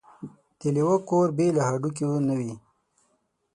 ـ د لېوه کور بې له هډوکو نه وي.